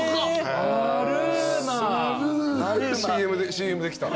ＣＭできた。